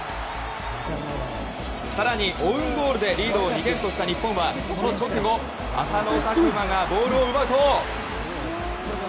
更にオウンゴールでリードを２点とした日本はその直後浅野拓磨がボールを奪うと。